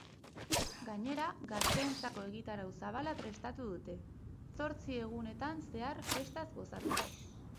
Gainera, gazteentzako egitarau zabala prestatu dute, zortzi egunetan zehar festaz gozatzeko.